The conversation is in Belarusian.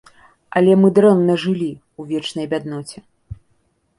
Але мы дрэнна жылі, у вечнай бядноце.